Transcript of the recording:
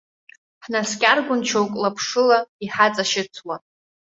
Ҳнаскьаргон шьоук лаԥшыла, иҳаҵашьыцуа.